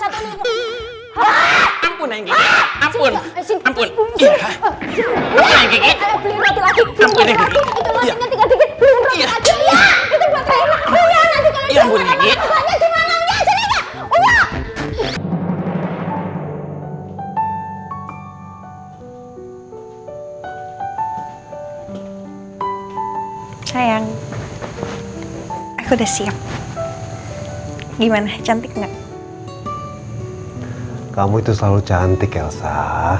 aku udah siap gimana cantik nggak kamu itu selalu cantik elsa